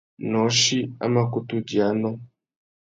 Nôchï a mà kutu djï anô.